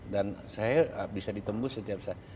dan saya bisa ditembus setiap saat